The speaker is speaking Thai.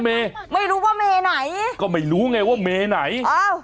เมย์ไม่รู้ว่าเมไหนก็ไม่รู้ไงว่าเมไหนอ้าว